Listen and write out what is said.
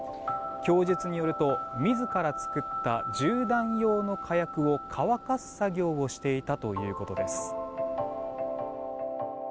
供述によると自ら作った銃弾用の火薬を乾かす作業をしていたということです。